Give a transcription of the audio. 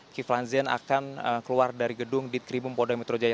kiflan zen akan keluar dari gedung ditres kimum poldai metro jaya